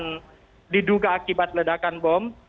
yang diduga akibat ledakan bom